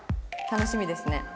楽しみですね。